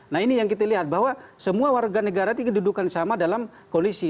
nah ini yang kita lihat bahwa semua warga negara dikedudukan sama dalam kondisi